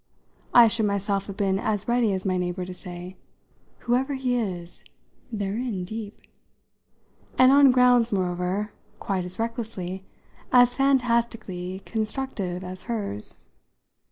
I should myself have been as ready as my neighbour to say "Whoever he is, they're in deep!" and on grounds, moreover, quite as recklessly, as fantastically constructive as hers.